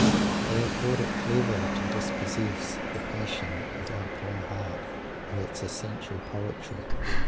They have thought it clever to dispossess the passion of our poor heart of its essential poetry.